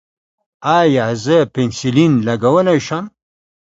ایا زه پنسلین لګولی شم؟